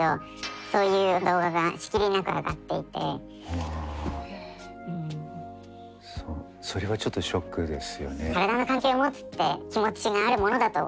ああそれはちょっとショックですよね。